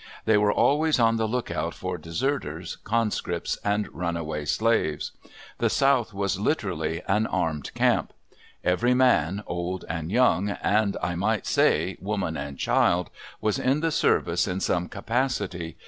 They were always on the lookout for deserters, conscripts and runaway slaves. The south was literally an armed camp. Every man, old and young, and, I might say, woman and child, was in the service in some capacity.